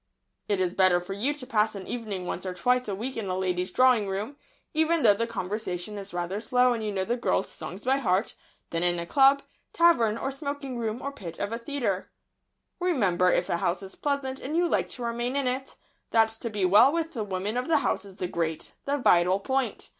"It is better for you to pass an evening once or twice a week in a lady's drawing room, even though the conversation is rather slow and you know the girl's songs by heart, than in a club, tavern, or smoking room, or pit of a theatre." "Remember, if a house is pleasant, and you like to remain in it, that to be well with the women of the house is the great, the vital point.